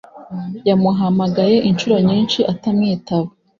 yamuhamagaye inshuro nyinshi atamwitaba.